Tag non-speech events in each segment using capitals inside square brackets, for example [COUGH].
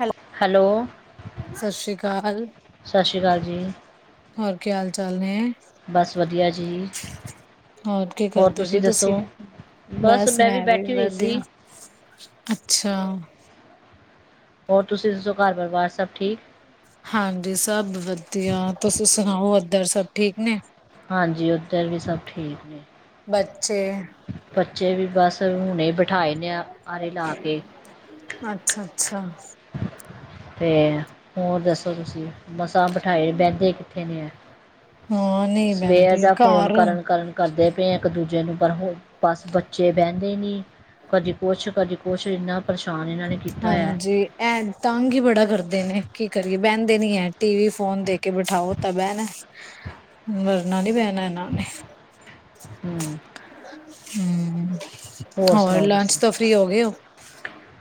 ਹੋਲੇ, ਹੈਲੋ ਸਤਿ ਸ੍ਰੀ ਅਕਾਲ। ਸਤਿ ਸ਼੍ਰੀ ਅਕਾਲ ਜੀ ਹੋਰ ਕਿਆ ਹਾਲ- ਚਾਲ ਨੇ। ਬਸ ਵਧੀਆ ਜੀ। ਹੋ ਕੀ ਹੋਰ ਕਰਦੇ ਪਏ ਦੱਸੋ ਤੁਸੀਂ? ਬਸ ਮੈਂ ਵੀ ਵਧੀਆ। ਅੱਛਾ। ਹੋਰ ਤੁਸੀਂ ਦੱਸੋ ਘਰ ਪਰਿਵਾਰ ਸਭ ਠੀਕ। ਹਾਂਜੀ। ਸਭ ਵਧੀਆ। ਤੁਸੀ ਸੁਣਾਓ ਇੱਧਰ ਸਭ ਠੀਕ ਨੇ? ਹਾਂਜੀ। ਉੱਧਰ ਵੀ ਸਭ ਠੀਕ ਨੇ। ਬੱਚੇ ਬੱਚੇ ਵੀ ਬਸ, ਹੁਣੇ ਬਿਠਾਏ ਨੇ ਆਰੇ ਲਾ ਕੇ। ਅੱਛਾ- ਅੱਛਾ। ਅਤੇ ਹੋਰ ਦੱਸੋ ਤੁਸੀਂ, ਮਸਾਂ ਬਿਠਾਈ ਬਹਿੰਦੇ ਕਿੱਥੇ ਨੇ ਹੈ। ਹਾਂ ਨਹੀਂ ਸਵੇਰ ਬਹਿੰਦੇ ਦਾ ਘਰ ਫੋਨ ਹੁਣ। ਕਰਨ- ਕਰਨ ਕਰਦੇ ਪਏ ਇੱਕ ਦੂਜੇ ਨੂੰ ਪਰ ਬਸ ਬੱਚੇ ਬਹਿੰਦੇ ਨੀ ਕਦੀ ਕੁਛ ਕਦੀ ਕੁਛ ਇੰਨਾ ਪਰੇਸ਼ਾਨ ਇਹਨਾਂ ਨੇ ਕੀਤਾ ਹੋਇਆ ਹਾਂਜੀ, ਇਹ ਤੰਗ ਹੀ ਬੜਾ ਕਰਦੇ ਨੇ ਕੀ ਕਰੀਏ ਬਹਿੰਦੇ ਨੀ ਹੈ ਟੀ ਵੀ ਫੋਨ ਦੇ ਕੇ ਬਿਠਾਓ ਤਾਂ ਬਹਿਨੇ ਮਰਨਾ ਨੀ ਪੈਣਾ ਇਹਨਾਂ ਨੇ ਹਮ ਹਮ, ਹੋਰ ਸੁਣਾਓ ਤੁਸੀਂ ਲੰਚ ਤਾਂ ਫ੍ਰਰੀ ਹੋ ਗਏ ਹੋ?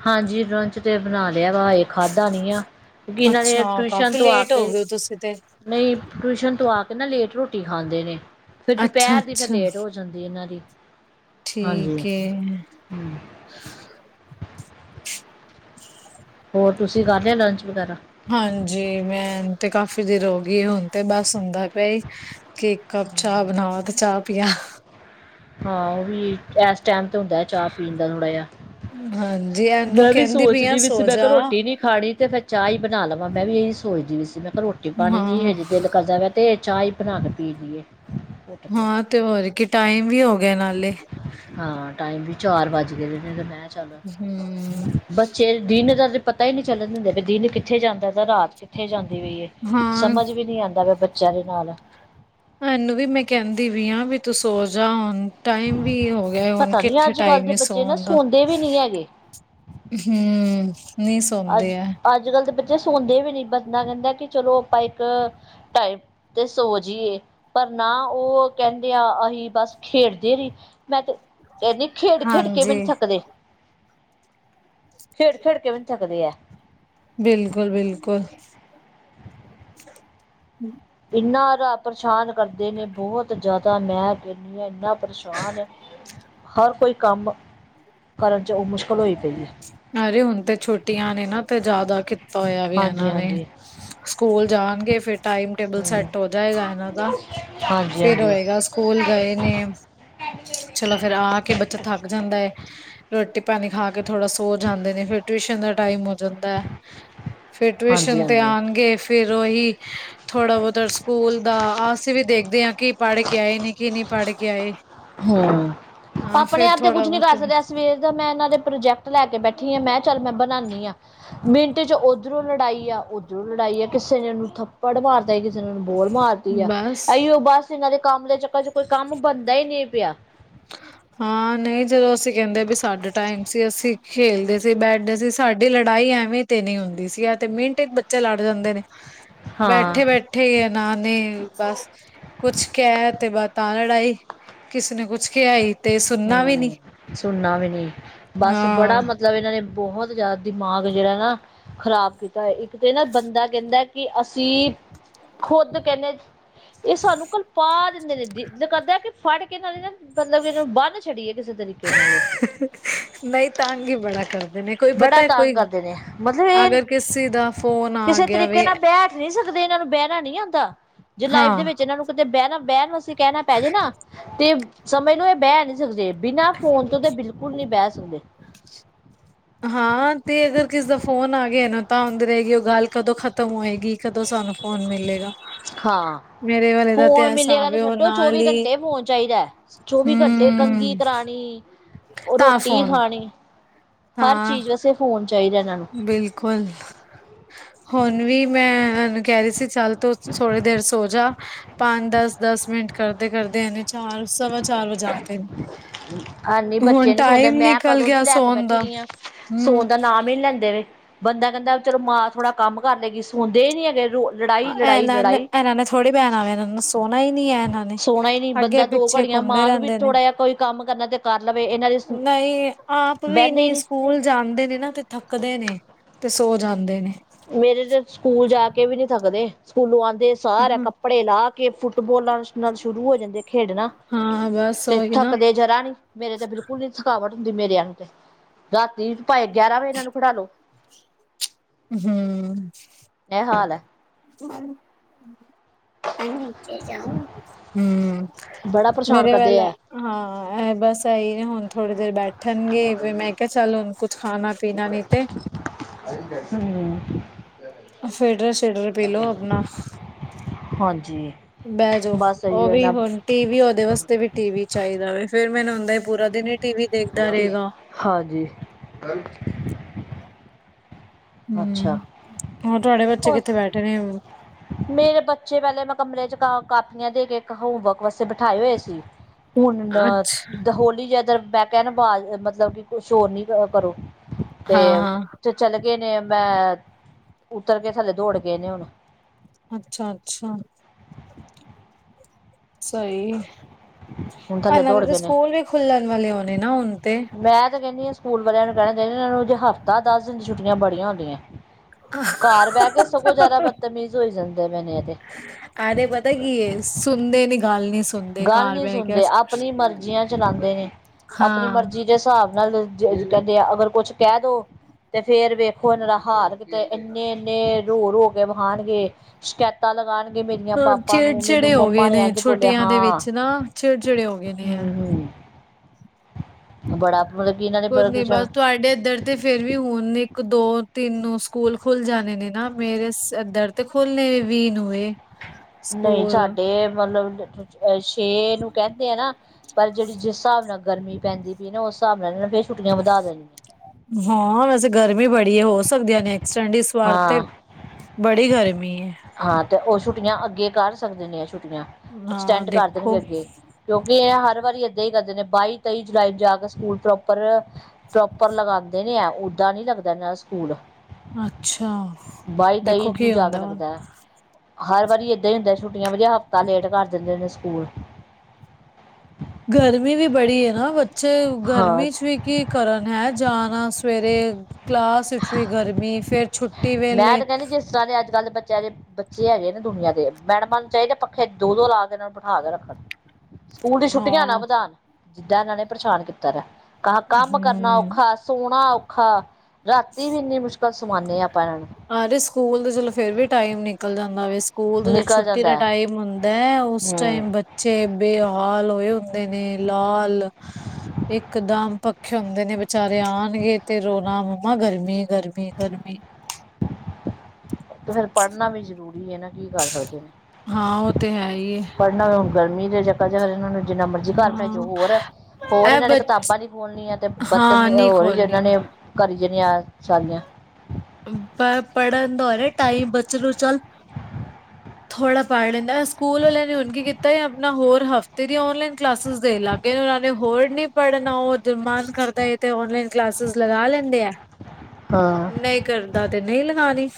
ਹਾਂਜੀ ਰ ਤੇ ਫੇਰ ਬਣਾ ਲਿਆ ਵਾ ਹਜੇ ਖਾਧਾ ਨੀ ਆ, ਕਿਉਂਕਿ ਇਹਨਾਂ ਨੇ ਅੱਛਾ ਟਿਊਸ਼ਨ ਕਾਫੀ ਤੋਂ ਆ ਲੇਟ ਕੇ ਹੋ ਗਏ ਹੋ ਤੁਸੀਂ ਤੇ ਨਹੀਂ, ਟਿਊਸ਼ਨ ਤੋਂ ਆ ਕੇ ਨਾ ਲੇਟ ਰੋਟੀ ਖਾਂਦੇ ਨੇ ਫੇਰ ਦੁਪਹਿਰ ਦੀ ਫਿਰ ਅੱਛਾ-ਅੱਛਾ, ਲੇਟ ਹੋ ਜਾਂਦੀ ਹੈ ਨਾਰੀ ਠੀਕ ਏ। ਹੂੰ ਹੋਰ ਤੁਸੀਂ ਕਰ ਲ ਲੰਚ ਵਗੈਰਾ ਹਾਂਜੀ ਮੈਂ ਤੇ ਕਾਫ਼ੀ ਦੇਰ ਹੋ ਗਈ ਹੁਣ ਤੇ ਬਸ ਹੁੰਦਾ ਪਿਆ ਹੀ ਕੇ ਇੱਕ ਕੱਪ ਚਾਹ ਬਣਾਵਾ। ਤੇ ਚਾਹ ਪੀਆ। ਹਾਂ। ਉਹ ਵੀ ਇਸ ਟਾਈਮ ਤੇ ਹੁੰਦਾ ਹੈ। ਚਾਹ ਪੀਣ ਦਾ ਥੋੜਾ ਜਿਹਾ ਹਾਂਜੀ। ਇਹਨੂੰ ਮੈਂ ਵੀ ਕਹਿੰਦੀ ਪਈ ਆ ਸੋਚਦੀ ਵੀ ਸੀ ਸੋ ਮੈਂ ਜਾ। ਕਿਹਾ ਰੋਟੀ ਨੀ ਖਾਣੀ ਤੇ ਫਿਰ ਚਾਹ ਹੀ ਬਣਾ ਲਵਾਂ। ਮੈਂ ਵੀ ਇਹੀ ਸੋਚਦੀ ਵੀ ਸੀ। ਮੈਂ ਕਿਹਾ ਰੋਟੀ ਰੋਟੀ- ਪਾਣੀ ਨੀ ਹਾਂ, ਹਜੇ ਦਿਲ ਕਰਦਾ ਵੈ। ਤੇ ਚਾਹ ਹੀ ਬਣਾ ਕੇ ਪੀ ਲਈਏ। ਘੁੱਟ ਕੇ ਹਾਂ, ਤੇ ਹੋਰ ਕਿ ਟਾਈਮ ਵੀ ਹੋ ਗਿਆ ਨਾਲੇ। ਹਾਂ, ਟਾਈਮ ਵੀ ਚਾਰ ਵੱਜ ਗਏ ਨੇ। ਤੇ ਮੈਂ ਚੱਲੋ ਹੂੰ। ਬੱਚੇ ਦਿਨ ਦਾ ਪਤਾ ਹੀ ਨਹੀਂ ਚੱਲਣ ਦਿੰਦੇ ਪੲਏ, ਵੀ ਦਿਨ ਕਿੱਥੇ ਜਾਂਦਾ ਤਾਂ ਰਾਤ ਕਿੱਥੇ ਜਾਂਦੀ ਪਈ ਹੈ ਹਾਂ। ਸਮਝ ਵੀ ਨੀ ਆਉਂਦਾ ਪਇਆ, ਬੱਚਿਆਂ ਦੇ ਨਾਲ ਮੈਨੂੰ ਵੀ ਮੈਂ ਕਹਿੰਦੀ ਵੀ ਆ, ਵੀ ਤੂੰ ਸ ਹੋ ਜਾ ਟਾਈਮ ਵੀ ਹੋ ਗਿਆ ਹੁਣ ਪਤਾ ਨੀ ਕਿੱਥੇ ਅੱਜ ਕੱਲ੍ਹ ਟਾਈਮ ਦੇ ਹੀ ਬੱਚੇ ਨਾ ਸੌਉਣ ਦਾ ਸੌਂਦੇ ਵੀ ਨਹੀਂ ਹੈਗੇ ਹਮ ਅੱਜ ਅੱਜ ਕੱਲ੍ਹ ਦੇ ਬੱਚੇ ਸੌਦੇ ਵੀ ਨੀ ਬਚਦਾ ਕਹਿੰਦੇ ਕਿ ਚਲੋ ਆਪਾਂ ਇੱਕ ਟਾਈਪ ਤੇ ਸੋ ਜਏ ਪਰ ਨਾ ਉਹ ਕਹਿੰਦੇ ਆ ਅਹੀ ਬਸ ਖੇਡਦੇ ਰਹੀ ਮੈਂ ਤੇ ਕਹਦੀ ਖੇਡ ਖੇਡ ਕੇ ਵੀ ਹਾਂਜੀ, ਨ ਥੱਕਦੇ ਖੇੜ ਖੇੜ ਕੇ ਵੀ ਨ ਥਦੇ ਆ ਬਿਲਕੁਲ ਬਿਲਕੁਲ ਹਮ ਇੰਨਾ ਪਰੇਸ਼ਾਨ ਕਰਦੇ ਨੇ ਬਹੁਤ ਜ਼ਿਆਦਾ ਮੈਂ ਕਹਿੰਦੀ ਹਾਂ ਇੰਨਾ ਪਰੇਸ਼ਾਨ ਹਰ ਕੋਈ ਕੰਮ ਕਰਨ 'ਚ ਉਹ ਮੁਸ਼ਕਿਲ ਹੋ ਪਈ ਹੈ ਅਰੇ ਹੁਣ ਤੇ ਛੁੱਟੀਆਂ ਨੇ ਨਾ ਤੇ ਜ਼ਿਆਦਾ ਕੀਤਾ ਹੋਇਆ ਵੀ ਹਾਂਜੀ ਇਹਨਾਂ ਨੇ ਹਾਂਜੀ ਸਕੂਲ ਜਾਣਗੇ ਫੇਿਰ ਟਾਈਮ ਟੇਬਲ ਹਮ ਸੈੱਟ ਹੋ ਜਾਏਗਾ ਇਹਨਾਂ ਦਾ ਹਾਂਜੀ ਫੇਿਰ ਹਾਂਜੀ ਹੋਏਗਾ ਸਕੂਲ ਗਏ ਨੇ ਚਲੋ ਫੇਰ ਆ ਕੇ ਬੱਚਾ ਥੱਕ ਜਾਂਦਾ ਹੈ ਰੋਟੀ ਪਾਣੀ ਖਾ ਕੇ ਥੋੜਾ ਸ ਜਾਂਦੇ ਨੇ ਫਿਰ ਟਿਊਸ਼ਨ ਦਾ ਟਾਈਮ ਹੋ ਜਾਂਦਾ ਹੈ ਫੇਿਰ ਹਾਂਜੀ ਟਿਊਸ਼ਨ ਤੇ ਹਾਂਜੀ ਆਉਣਗੇ ਫੇਿਰ ਉਹੀ ਥੋੜਾ ਬਹੁਤਾ ਸਕੂਲ ਦਾ ਅਸੀਂ ਵੀ ਦੇਖਦੇ ਹਾਂ ਕਿ ਪੜ੍ਹ ਕੇ ਆਏ ਨੀ ਕਿ ਨਹੀਂੀ ਪੜ੍ਹ ਕੇ ਆਏ ਹੂੰ ਹਾਂ ਆਪਣੇ ਫਿਰ ਆਪ ਤੇ ਥੋੜਾ ਕੁੱਛ ਨੀ ਬਹੁਤ ਕਰ ਸਕਦੇ ਅਸ ਵੇਰ ਤਾਂ ਮੈਂ ਇਹਨਾਂ ਦੇ ਪ੍ਰੋਜੈਕਟ ਲੈ ਕੇ ਬੈਠੀ ਆਾਂ ਮੈਂ ਚੱਲ ਮੈਂ ਬਣਾਉਾਨਦੀ ਹਾਂ ਮਿੰਟ ਚ ਉੱਧਰੋਂ ਲੜਾਈ ਆ ਉੱਧਰੋਂ ਲੜਾਈ ਆ ਕਿਸੇ ਨੇ ਉਹਨੂੰ ਥੱਪੜ ਮਾਰ ਕਿਸੇ ਇਹ ਨੂੰ ਬੋਲ ਮਾਰਦੀ ਆ ਬਸ ਇਹੀਓ ਬਸ ਇਹਨਾਂ ਦੇ ਕੰਮ ਦੇ ਚੱਕਰ ਚ ਕੋਈ ਕੰਮ ਬਣਦਾ ਹੀ ਨਹੀਂ ਪ੍ਰਿਆ ਹਾਂ ਨਹੀਂ ਜਦੋਂ ਅਸੀਂ ਕਹਿੰਦੇ ਵੀ ਸਾਡੇ ਟਾਈਮ ਸੀ ਅਸੀਂ ਖੇਲਦੇ ਸੀ ਬੈਠਦੇ ਸੀ ਸਾਡੀ ਲੜਾਈ ਐਵੇਂ ਤੇ ਨਹੀਂ ਹੁੰਦੀ ਸੀਗਾ ਤੇ ਮਿੰਟ ਬੱਚੇ ਲੜ ਜਾਂਦੇ ਨੇ ਹਾਂ ਬੈਠੇ ਬੈਠੇ ਆ ਨਾਨ ਨੇ ਬਸ ਕੁਛ ਕਿਹ ਤੇ ਬਾ ਤਾਂ ਲੜਾਈ ਕਿਸੇ ਨੇ ਕੁਛ ਕਿਹਾ ਈ ਹਮ ਸੁਣਨਾ ਵੀ ਨੀ ਬਸ ਬੜਾ ਹਾਂ ਮਤਲਬ ਇਹਨਾਂ ਨੇ ਬਹੁਤ ਜ਼ਿਆਦਾ ਦਿਮਾਗ ਜਿਹੜਾ ਨਾ ਖ਼ਰਾਬ ਕੀਤਾ ਇੱਕ ਤੇ ਨਾ ਬੰਦਾ ਕਹਿੰਦਾ ਕਿ ਅਸੀਂ ਖੁਦ ਕਹਿੰਦੇੇ ਇਹ ਸਾਨੂੰ ਕਲਪਾ ਦਿੰਦੇ ਨੇ ਜ ਦਿਲ ਕਰਦਾ ਕਿ ਫੜ ਕੇ ਇਹ ਨੇ ਨਾ ਮਤਲਬ ਬੰਨ ਛੜੀਏ ਕਿਸੇ ਤਰੀਕੇ ਨਾਲ ਅ, ਨਹੀਂ ਤੰਗ ਹੀ ਬੜਾ ਕਰਦੇ ਨੇ ਕੋਈ ਬੜਾ ਪਤਾ ਤੰਗ ਕੋਈ ਕਰਦੇ ਨੇ ਮਤਲਬ ਇਹ ਅਗਰ ਕਿਸੇ ਦਾ ਫੋਨ ਆ ਕਿਸੇ ਗਿਆ ਤਰੀਕੇ ਵੇ ਨਾਲ ਬਹਿ ਨਹੀਂ ਸਕਦੇ, ਇਹਨਾਂ ਨੂੰ ਬਹਿਣਾ ਨੀ ਆਉਂਦਾ ਜੇ ਹਾਂ ਲਾਈਫ ਦੇ ਵਿੱਚ ਇਹਨਾਂ ਨੂੰ ਕਿਤੇ ਬਹਿਣਾ, ਬਹਿਣ ਵਾਸਤੇ ਕਹਿਣਾ ਪੈ ਜੇ ਨਾ ਤੇ ਸਮਝ ਲੋ ਇਹ ਬਹਿ ਨੀ ਸਕਦੇੇ। ਬਿਨਾਂ ਫ਼ੋਨ ਤੋਂ ਤਾਂ ਬਿਲਕੁਲ ਨਹੀਂ ਬਹਿ ਸਕਦੇ। ਹਾਂ ਤੇ ਅਗਰ ਕਿਸੇ ਦਾ ਫੋਨ ਆ ਗਿਆ ਨਾ ਤਾਂ ਹੁੰਦੀ ਰਹੇਗੀ ਉਹ ਗੱਲ ਕਦੋਂ ਖ਼ਤਮ ਹੋਏਗੀ। ਕਦੋਂ ਸਾਨੂੰ ਫੋਨ ਮਿਲੇ। ਹਾਂ ਤੇ ਫੋਨ ਮਿਲੇਿਆ ਹਿਸਾਬ ਗੱਲ ਏ ਉਹ ਛੱਡੋ ਨਾਲ ਚੌਵੀ ਹੀ ਘੰਟੇ ਫੋਨ ਚਾਹੀਦਾ ਚੌਵੀ ਘੰਟੇ ਕੰਘੀ ਕਰਾਣੀ ਹ ਉਹ ਰੋਟੀ ਖਾਣੀ ਹਰ ਹਾਂ ਚੀਜ਼ ਵੈਸੇ ਫੋਨ ਚਾਹੀਦਾ ਇਹਨਾਂ ਨੂੰ ਬਿਲਕੁਲ ਹੁਣ ਵੀ ਮੈਂ ਕਹਿ ਰਹੀ ਸੀ ਚੱਲ ਤੋਂ ਥੋੜੀ ਦੇਰ ਸੋ ਜਾ ਪੰਜ ਦਸ, ਦਸ ਮਿੰਟ ਕਰਦੇ ਕਰਦੇ ਇਹਨੇ ਚਾਰ ਸਵਾ ਚਾਰ ਵਜਾ ਦਿਤੇ ਨੇ ਹਨੀ ਹੁਣ ਬੱਚੇ ਨੀ ਸੌਦੇ ਟਾਈਮ ਮੈਂ ਨਿਕਲ ਕਦੋਂ ਦੀ ਗਿਆ ਲੈ ਕੇ ਸੋਣ ਬੈਠੀ ਦਾ ਹੋਈ ਹਾਂ ਹੂੰ ਸੋਣ ਦਾ ਨਾਮ ਨਹੀ ਲੈਂਦੇ ਵ ਬੰਦਾ ਕਹਿੰਦਾ ਚਲੋ ਮਾਂ ਥੋੜਾ ਕੰਮ ਕਰਲੇਗੀ ਸੌਦੇ ਹੀ ਨੀ ਹੈਗੇ ਲੜਾਈ ਲੜਾਈ ਇਹਨਾਂ ਨੇ ਲੜਾਈ ਇਹਨਾਂ ਨੇ ਥੋੜੀ ਬੈਣਾ ਵੇ ਏਹਣਾ ਨੂ ਸੋਣਾ ਹੀ ਨੀ ਹੈ ਇਹਨਾਂ ਨੇ, ਸੋਣਾ ਹੀ ਨੀ ਬੰਦਾ ਅੱਗੇ- ਦੋ ਪਿੱਛੇ ਘੜੀਆਂ ਘੁੰਮਦੇ ਮਾਂ ਨੂੰ ਵੀ ਰਹਿੰਦੇ ਨੇ। ਥੋੜਾ ਜਿਹਾ ਕੋਈ ਕੰਮ ਕਰਨਾ ਤੇ ਕਰ ਲਵੇ ਇਹਨਾਂ ਦੇ ਨਹੀਂ ਆਪ ਵੀ ਬਹਿੰਦੇ ਹੀ ਇਨੀ ਨੀ ਸਕੂਲ ਜਾਂਦੇ ਨੇ ਨਾ ਤੇ ਥੱਕਦੇ ਨੇ, ਤੇ ਸੋ ਜਾਂਦੇ ਨੇ। ਮੇਰੇ ਤੇ ਸਕੂਲ ਜਾ ਕੇ ਵੀ ਨੀ ਥੱਕਦੇ, ਸਕੂਲੋਂ ਆਉਂਦੇ ਸਾਰਾ ਹਾਂ ਕੱਪੜੇ ਲਾ ਕੇ ਫੁੱਟਬੋਲਾਂ ਨਾਲ ਸ਼ੁਰੂ ਹੋ ਜਾਂਦੇ ਖੇਡਣਾ। ਹਾਂ ਬਸ ਤੇ ਉਹੀ ਨਾ ਥੱਕਦੇ ਜਰਾ ਨੀ। ਮੇਰੇ ਤੇ ਬਿਲਕੁਲ ਨੀ ਥਕਾਵਟ ਹੁੰਦੀ ਮੇਰੇਆਂ ਨੂੰ ਤੇ, ਰਾਤੀ ਪਾਏ ਗਿਆਰਾਂ ਵਜੇ ਇਹਨਾਂ ਨੂੰ ਖਡਾ ਲੋ। ਹੂੰ ਇਹ ਹਾਲ ਏ। [UNINTELLIGIBLE] ਜਾੳ। ਹੂੰ ਬੜਾ ਪਰੇਸ਼ਾਨ ਮੇਰੇ ਵੱਲ ਕਰਦੇ ਹੈ ਹਾਂ ਇਹ ਬਸ ਇਹੀ ਨੇ ਹੁਣ ਥੋੜੀ ਦੇਰ ਬੈਠਣਗੇ ਫਿਰ ਮੈਂ ਕ ਚਲੁ ਕੁਛ ਖਾ ਪੀਣਾ ਵੀ ਤੇ ਹੂੰ [UNINTELLIGIBLE] ਫੇਡਰ, ਸ਼ੇਡਰ ਪੀਲਓ ਅਪਣਾ। ਹਾਂਜੀ ਬਹਿ ਜੋੋ, ਬਸ ਉਹ ਇਹੀਓ ਵੀ ਨਾ ਹੁਣ ਟੀ ਵੀ ਉਹਦੇ ਵਾਸਤੇ ਵੀ ਟੀ ਵੀ ਚਾਹੀਦਾ ਵੇ, ਫੇਰ ਮੈਨੂੰ ਹੁੰਦਾ ਪੂਰਾ ਦਿਨ ਹੀ ਟੀ ਵੀ ਦੇਖਦਾ ਰਹੇਗਾ। ਹਾਂਜੀ। ਹੂੰ, ਅੱਛਾ ਹੋਰ ਤੁਹਾਡੇ ਬੱਚੇ ਕਿੱਥੇ ਬੈਠੇ ਨੇ ਊ? ਮੇਰੇ ਬੱਚੇ ਪਹਿਲੇ ਮੈਂ ਕਮਰੇ ਚ ਕ ਕਾਪੀਆਂ ਦੇ ਕੇ ਇੱਕ ਹੋਮਵਰਕ ਵਾਸਤੇ ਬਿਠਾਏ ਹੋਏ ਸੀ। ਹੁਣ ਅੱਛਾ ਹੋਲੀ ਜੇ ਇਧਰ ਬਹਿ ਕਹਿ ਨਾ ਬਾਜ਼ ਮਤਲਬ ਕਿ ਕੁਛ ਹੋਰ ਨੀ ਕਰੋ। ਤੇ ਹਾਂ ਹਾਂ ਕਿਥੇ ਚੱਲ ਗਏ ਨੇ ਮੈਂ ਉਤਰ ਕੇ ਥੱਲੇ ਦੌੜ ਗਏ ਨੇ ਹੁਣ। ਅੱਛਾ, ਅੱਛਾ ਸਹੀ, ਹੁਣ ਥੱਲੇ ਇਹਨਾਂ ਦੇ ਦੌੜ ਤਾਂ ਗਏ ਨੇ ਸਕੂਲ ਵੀ ਖੁੱਲਣ ਵਾਲੇ ਹੋਣੇ ਨਾ ਹੁਣ ਤੇ। ਮੈਂ ਤੇ ਕਹਿੰਦੀ ਹ ਸਕੂਲ ਵਾਲਿਆਂ ਨੂੰ ਕਹਿਣਾ ਚਾਈਦਾ ਇਹਨਾਂ ਨੂੰ ਹਫ਼ਤਾ, ਦਸ ਦਿਨ ਛੁਟੀਆਂ ਬੜੀਆਂ ਹੁੰਦੀਆਂ। ਘਰ ਬਹਿ ਕੇ ਸਗੋਂ ਜ਼ਿਆਦਾ ਬਦਤਮੀਜ਼ ਹੋਈ ਜਾਂਦੇ ਨੇ ਏਹ ਤੇ। ਆਦੇ ਪਤਾ ਕੀ ਏ ਸੁਣਦੇ ਨੀ ਗੱਲ ਨੀ। ਸੁਣਦੇ ਗੱਲ ਘਰ ਨਹੀਂੀ ਬਹਿ ਕੇ ਹਾਂ। ਸੁਣਦੇ ਆਪਣੀ ਮਰਜ਼ੀਆਂ ਚਲਾਉਂਦੇ ਨੇ ਆਪਣੀ ਮਰਜ਼ੀ ਹਾਂ, ਦੇ ਹਿਸਾਬ ਨਾਲ ਕਹਿੰਦੇ ਆ ਅਗਰ ਕੁਛ ਕਹਿ ਦੋ ਤੇ ਫੇਰ ਵੇਖੋ ਇਹਨਾਂ ਦਾ ਹਾਲ ਕਿਤੇ ਇੰਨੇ ਇੰਨੇ ਰੋ ਰੋ ਕੇ ਵਿਖਾਣ ਗੇ ਸ਼ਿਕਾਇਤ ਸ਼ਿਕਇਤਾ ਲਗਾਉਣਗੇ ਮੇਰੀਆਂ ਪਾਪਾ ਨੂੰ ਮੈਨੂੰ ਚਿੜਚਿੜੇ ਹੋ ਮੰਮਾ ਗਏ ਨੇ ਇੰਝ ਬੋਲਿਆ। ਛੁੱਟੀਆਂ ਦੇ ਹਾਂ। ਵਿੱਚ ਨਾ ਚਿੜ ਚਿੜੇ ਹੋ ਗਏ ਨੇ ਹੂੰ ਐ। ਹੂੰ ਬੜਾ ਮਤਲਬ ਕਿ ਇਹਨਾਂ ਕੁਝ ਨੀ ਨੇ ਬਸ ਤੁਹਾਡੇ ਇਧਰ ਤੇ ਫੇਰ ਵੀ ਹੁਣ ਇੱਕ-ਦੋ-ਤਿੰਨ ਨੂੰ ਸਕੂਲ ਖੁੱਲ ਜਾਣੇ ਨੇ ਨਾ ਮੇਰੇ ਸਿਰ ਦਰਦ ਤੇ ਤੇ ਖੋਲੇ ਵੀਹ ਨੂੰ ਐ। ਨਹੀਂ ਸਾਡੇ ਮਤਲਬ [UNINTELLIGIBLE] ਛੇ ਨੂੰ ਕਹਿੰਦੇ ਆ ਨਾ ਪਰ ਜਿਹੜੀ ਜਿਸ ਹਿਸਾਬ ਨਾਲ ਗਰਮੀ ਪੈਂਦੀ ਪਈ ਨਾ ਉਸ ਹਿਸਾਬ ਨਾਲ ਫੇਰ ਛੁੱਟੀਆਂ ਵਧਾ ਦੈਣੀਆਂ। ਹਾਂ ਵੈਸੇ ਗਰਮੀ ਬੜੀ ਏ ਹੋ ਸਕਦੀ ਹੈ ਨੈਕਸਟ [UNINTELLIGIBLE] ਤੇ, ਹਾਂ। ਬੜੀ ਗਰਮੀ ਏ। ਹਾਂ ਤੇ ਉਹ ਛੁੱਟੀਆਂ ਅੱਗੇ ਕਰ ਸਕਦੇ ਨੇ ਆ ਛੁੱਟੀਆਂ, ਹਾਂ ਐਕਸਟੈਂਡ ਕਰ ਦੇਣਗੇ ਦੇਖੋ ਅੱਗੇ। ਕਿਉਂਕਿ ਇਹ ਹਰ ਵਾਰੀ ਏਦਾਂ ਹੀ ਕਰਦੇ ਨੇ ਬਾਈ, ਤੇਈ ਜੁਲਾਈ ਨੂੰ ਜਾ ਕੇ ਸਕੂਲ ਪ੍ਰੋਪਰ ਪ੍ਰੋਪਰ ਲਗਾਉਂਦੇ ਨੇ ਹੈ ਓੱਦਾਂ ਨਹੀਂ ਲੱਗਦਾ ਇਹਨਾਂ ਦਾ ਸਕੂਲ। ਅੱਛਾ। ਬਾਈ, ਤੇਈ ਦੇਖੋ ਨੂੰ ਕੀ ਜਾ ਕੇ ਹੁੰਦਾ ਵਾ। ਲੱਗਦਾ ਹੈ। ਹਰ ਵਾਰੀ ਏਦਾਂ ਹੀ ਹੁੰਦਾ ਛੁੱਟੀਆਂ ਵ ਜੇ ਹਫ਼ਤਾ ਲੇਟ ਕਰ ਦਿੰਦੇ ਨੇ ਸਕੂਲ ਗਰਮੀ ਵੀ ਬੜੀ ਐ ਨਾ ਬੱਚੇ ਹਾਂ ਗਰਮੀ ਚ ਵੀ ਕਿ ਕਰਨ ਹੈ ਜਾਣਾ ਸਵੇਰੇ ਕਲਾਸ ਵਿੱਚ ਵੀ ਗਰਮੀ, ਫੇਰ ਛੁੱਟੀ ਵੇਲੇ ਸਾਰੇ ਅੱਜ-ਕੱਲ ਦੇ ਬੱਚਿਆਂ ਦੇ ਬੱਚੇ ਹੈਗੇ ਨੇ ਦੁਨੀਆਂ ਦੇ, ਮੈਡਮਾਂ ਨੂੰ ਚਾਹੀਦੇ ਪੱਖੇ ਦੋ-ਦੋ ਲਾ ਕੇ ਇਹਨਾਂ ਨੂੰ ਬੈਠਾ ਕੇ ਰੱਖਣ। ਸਕੂਲ ਦੀ ਛੁੱਟੀਆਂ ਨਾ ਹਾਂ ਵਧਾਣ, ਜਿੱਦਾਂ ਇਹਨਾਂ ਨੇ ਪਰੇਸ਼ਾਨ ਕੀਤਾ ਐ। ਕ ਕੰਮ ਕਰਨਾ ਹਮ ਔਖਾ, ਸੋਣਾ ਔਖਾ, ਰਾਤੀ ਵੀ ਇੰਨੀ ਮੁਸ਼ਕਿਲ ਸੁਾਣੇ ਆ ਆਪਾਂ ਇਹਨਾਂ ਨੂੰ। ਅਰੇ ਸਕੂਲ ਚਲੋ ਫੇਰ ਵੀ ਟਾਈਮ ਨਿਕਲ ਜਾਂਦਾ ਵੇ। ਸਕੂਲ ਤੋਂ ਜੋ ਨਿਕਲ ਛੁੱਟੀ ਦਾ ਜਾਂਦਾ ਹੈ ਟਾਈਮ ਹੁੰਦਾ ਐ, ਉਸ ਹਮ ਟਾਈਮ ਬੱਚੇ ਬੱਚੇ ਬੇਹਾਲ ਹੋਏ ਹੁੰਦੇ ਨੇ, ਲਾਲ ਇਕਦਮ ਪੱਖੇ ਹੁੰਦੇ ਨੇ ਬਚਾਰੇ ਆਣਗੇ ਤੇ ਰੋਣਾ, ਮੰਮਾ ਗਰਮੀ-ਗਰਮੀ-ਗਰਮੀ। ਤੇ ਫੇਰ ਪੜ੍ਹਨਾ ਵੀ ਜ਼ਰੂਰੀ ਐ ਨਾ, ਕੀ ਕਰ ਸਕਦੇ ਨੇ। ਹਾਂ ਉਹ ਤੇ ਕੇ ਇ ਏ। ਪੜਨਾ ਗਰਮੀ ਦੇ ਚੱਕਰ ਚ ਇਹਨਾਂ ਨੂੰ ਜਿੰਨਾ ਮਰਜ਼ੀ ਘਰ ਬਿਠਾਈ ਹਾਂ ਜਾਓ ਹੋਰ, ਹੋਰ ਇਹ ਇਹਨਾਂ ਬ ਨੇ ਕਿਤਾਬਾਂ ਦੀ ਬੋਲਣੀਆਂ ਤੇ ਹਾਂ ਬਤਮੀ ਨਹੀਂ ਹੋਰ ਉਹਨਾਂ ਖੋਲਣੀ ਨੇ ਕਰੀ ਜਾਣੀਆਂ ਸਾਰੀਆਂ। ਪਰ ਪੜਨ ਦਾ ਹੋ ਰਿਹਾ ਟਾਈਮ ਬੱਚੇ ਨੂੰ ਚੱਲ। ਥੋੜ੍ਹਾ ਪੜ੍ਹ ਲੈਂਦਾ। ਸਕੂਲ ਵਾਲਿਆਂ ਨੇ ਹੁਣ ਕੀ ਕੀਤਾ ਆਪਣਾ ਹੋਰ ਹਫ਼ਤੇ ਦੀਆਂ ਔਨਲਾਈਨ ਕਲਾਸਿਸ ਦੇਣ ਲੱਗ ਇਹਨਾਂ ਨੇ ਹੋਰ ਨੀ ਪੜ੍ਹਨਾ, ਉਹ ਮਨ ਕਰਦਾ ਤੇ ਨਲਾਈਨ ਕਲਾਸਿਸ ਲਗਾ ਲੈਂਦੇ ਐ। ਹਾਂ। ਨੀ ਕਰਦਾ ਤੇ ਨਈ ਲਗਾਣੀ।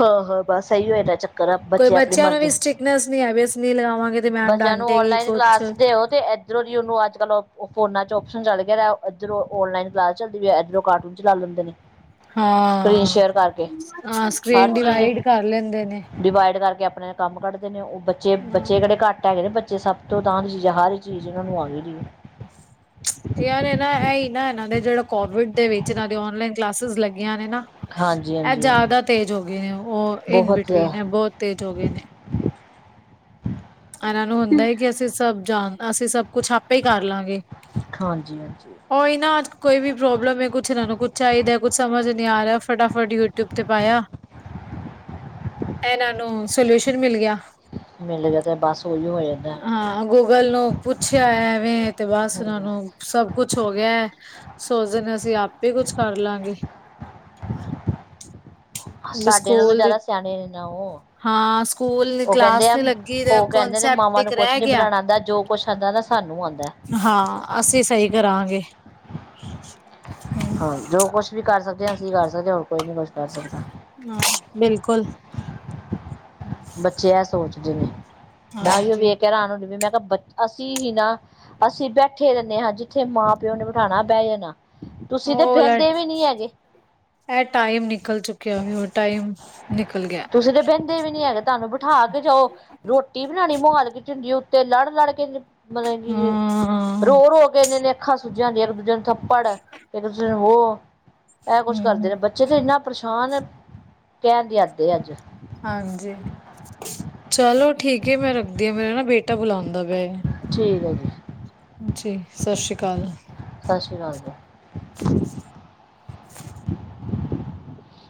ਹਾਂ-ਹਾਂ, ਬਸ ਆਈ ਰਹਿਣਾ ਚੱਕਰ ਆ ਕੋਈ ਬੱਚੇ ਆਪਣੀ ਬੱਚਿਆਂ ਨੂੰ ਮਰਜ਼ੀ ਵੀ ਨਹੀਂ ਅਸ ਨੀਂ ਵੀ ਅਸੀਂ ਨਹੀਂ ਲਗਾਵਾਂਗੇ। ਤੇ ਮੈਮ ਬੱਚਿਆਂ ਨੂੰ ਡਾਂਟੇਗੀ ਔਨਲਾਈਨ ਕੁਛ ਕਲਾਸ ਦਿਓ ਤੇ ਇੱਧਰੋਂ ਦੀ ਉਹਨੂੰ ਅੱਜ ਕੱਲ ਫੋਨਾ ਚ ਆਪਸ਼ਨ ਚੱਲ ਗਿਆ। ਇੱਧਰੋ ਔਨਲਾਈਨ ਕਲਾਸ ਚਲਦੀ ਪਈ ਐ ਇਧਰੋਂ ਕਾਰਟੂਨ ਚਲਾ ਲੈਂਦੇ ਨੇ, ਸਕਰੀਨ ਹਾਂ ਸ਼ੇਅਰ ਕਰਕੇ। ਹਾਂ ਹਰ ਸਕਰੀਨ ਚੀਜ਼ ਡਿਵਾਈਡ ਕਰ ਲੈਂਦੇ ਨੇ। ਡਿਵਾਈਡ ਕਰਕੇ ਆਪਣੇ ਕੰਮ ਕੱਢਦੇ ਨੇ, ਉਹ ਬੱਚੇ ਬੱਚੇ ਕਿਹੜੇ ਕੱਟ ਹੈਗੇ ਨੇ ਬੱਚੇ ਸਭ ਤੋਂ ਤਾਂਹ ਦੀ ਚੀਜ਼ ਆ ਹਰ ਚੀਜ਼ ਇਹਨਾਂ ਨੂੰ ਆ ਗਈ ਦੀ ਏ। ਯਾਰ ਨੇ ਨਾ ਇਹ ਹੀ ਨਾ ਇਹਨਾਂ ਦੇ ਜਿਹੜੇ ਕੋਵਿਡ ਦੇ ਵਿੱਚ ਇਹਨਾਂ ਦੀ ਨਲਾਈਨ ਕਲਾਸਿਸ ਲੱਗੀਆਂ ਨੇ ਨਾ। ਹਾਂਜੀ ਇਹ ਹਾਂਜੀ ਜ਼ਿਆਦਾ ਤੇਜ਼ ਹੋ ਗਏ ਨੇ, ਉਹ ਇਨ ਬਹੁਤ ਬਿਟਵੀਨ ਐ, ਬਹੁਤ ਤੇਜ਼ ਹੋ ਗਏ ਨੇ। ਇਹਨਾਂ ਨੂੰ ਹੁੰਦਾ ਕਿ ਅਸੀਂ ਸੱਭ ਜਾਣ, ਅਸੀਂ ਸੱਭ ਕੁੱਛ ਆਪੇ ਹੀ ਕਰ ਲਵਾਂਗੇ। ਹਾਂਜੀ-ਹਾਂਜੀ। ਉਹੀ ਨਾ ਕੋਈ ਵੀ ਪ੍ਰੋਬਲਮ ਏ, ਕੁੱਛ ਇਹਨਾਂ ਨੂੰ ਕੁੱਛ ਚਾਹੀਦਾ, ਕੁੱਛ ਸਮਝ ਨਹੀਂ ਆ ਰਿਹਾ ਫਟਾਫਟ ਯੂਟਿਊਬ ਤੇ ਪਾਇਆ। ਇਹਨਾਂ ਨੂੰ ਸਲਿਊਸ਼ਨ ਮਿਲ ਗਿਆ। ਮਿਲ ਜਾ ਤਾਂ ਬੱਸ ਓਹੀ ਐ। ਹਾਂ, ਗੂਗਲ ਨੂੰ ਪੁੱਛਿਆ ਐਵੇਂ ਤੇ ਬੱਸ ਉਹਨਾਂ ਨੂੰ ਸੱਭ ਕੁੱਛ ਹੋ ਗਿਆ। ਸੋਚਦੇ ਨੇ ਅਸੀਂ ਆਪੇ ਕੁੱਛ ਕਰਲਾਂਗੇ। ਵੀ ਸਾਡੇ ਨਾਲੋਂ ਸਕੂਲ ਦੀ ਜ਼ਿਆਦਾ ਸਿਆਣੇ ਨੇ ਨਾ ਉਹ। ਹਾਂ ਸਕੂਲ ਉਹ ਕਹਿੰਦੇ ਕਲਾਸ ਆ, ਨੀ ਲੱਗੀ ਤੇ ਉਹ ਕਹਿੰਦੇ ਨੇ ਕਨਸੈਪਟ ਮਾਵਾਂ ਇੱਕ ਨੂੰ ਕੁੱਛ ਰਹਿ ਨੀ ਗਿਆ। ਬਣਾਣਾ ਆਂਦਾ, ਜੋ ਕੁੱਛ ਆਂਦਾ ਨਾਂ ਸਾਨੂੰ ਆਂਦਾ। ਹਾਂ, ਅਸੀਂ ਸਹੀ ਕਰਾਂਗੇ। ਹਾਂ ਹੂੰ ਜੋ ਕੁੱਛ ਵੀ ਕਰ ਸਕਦੇ ਹਾਂ, ਅਸੀਂ ਕਰ ਸਕਦੇ ਆ, ਹੋਰ ਕੋਈ ਨੀ ਕੁੱਛ ਕਰ ਸਕਦਾ। ਹਾਂ ਬਿਲਕੁਲ। ਬੱਚੇ ਇਹ ਸੋਚਦੇ ਨੇ, ਮੈਂ ਉਹੀ ਹਾਂਜੀ ਵੇਖ ਕੇ ਹੈਰਾਨ ਹੁੰਦੀ ਪਈ ਆ, ਮੈਂ ਕਿਹਾ ਬੱਚੇ ਅਸੀਂ ਹੀ ਨਾ ਅਸੀਂ ਬੈਠੇ ਰਹਿੰਦੇ ਹਾਂ, ਜਿੱਥੇ ਮਾਂ ਪਿਓ ਨੇ ਬਿਠਾਣਾ ਬਹਿ ਜਾਣਾ। ਤੁਸੀਂ ਤੇ ਉਹ ਵਾਲਾ ਬਹਿੰਦੇ ਵੀ ਨਹੀਂ ਹੈਗੇ। ਇਹ ਟਾਈਮ ਨਿਕਲ ਚੁੱਕਿਆ ਵੀ ਉਹ ਟਾਈਮ ਨਿਕਲ ਗਿਆ। ਤੁਸੀਂ ਤੇ ਬਹਿੰਦੇ ਵੀ ਨੀ ਹੈਗੇ, ਤੁਹਾਨੂੰ ਬਿਠਾ ਕੇ ਜਾਓ। ਰੋਟੀ ਬਣਾਣੀ ਮਹੌਲ ਕੇ ਝੁੰਡੀ ਉੱਤੇ ਲੜ ਲੜ ਕੇ ਮੱਤਲਬ ਕਿ ਹਾਂ ਰੋ ਰੋ ਕੇ ਐਨੀਆਂ ਐਨੀਆਂ ਅੱਖਾਂ ਸੁੱਜੀਆਂ ਹੁੰਦੀ ਆ ਇੱਕ ਦੂਜੇ ਨੂੰ ਥੱਪੜ ਇੱਕ ਦੂਜੇ ਨੂੰ ਹੋਰ ਇਹ ਕੁੱਛ ਕਰਦੇ ਹੂੰ ਨੇ ਬੱਚੇ ਤੇ ਇੰਨਾ ਪਰੇਸ਼ਾਨ ਕਹਿਣ ਦੀ ਹੱਦ ਐ ਅੱਜ। ਹਾਂਜੀ, ਚਲੋ ਠੀਕ ਐ ਮੈਂ ਰੱਖਦੀ ਆ ਮੇਰਾ ਨਾ ਬੇਟਾ ਬੁਲਾਉਂਦਾ ਪਿਆ। ਠੀਕ ਐ ਜੀ। ਜੀ ਸਤਿ ਸ਼੍ਰੀ ਅਕਾਲ। ਸਤਿ ਸ਼੍ਰੀ ਅਕਾਲ ਜੀ,